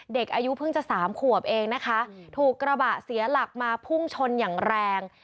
เด็กอายุเพิ่งจะสามขวบเองนะคะถูกกระบะเสียหลักมาพุ่งชนอย่างแรง